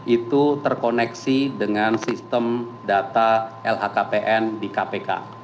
itu terkoneksi dengan sistem data lhkpn di kpk